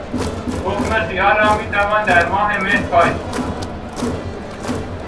تخم خیار را میتوان در ماه مه کاشت.